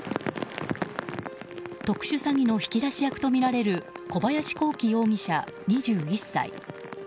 特殊詐欺の引き出し役とみられる小林貢樹容疑者、２１歳。